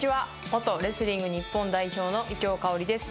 元レスリング日本代表の伊調馨です。